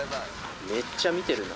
めっちゃ見てるな。